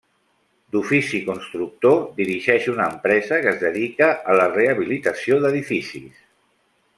D'ofici constructor, dirigeix una empresa que es dedica a la rehabilitació d'edificis.